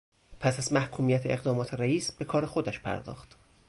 پس از محکومیت اقدامات رییس، به کار خودش پرداخت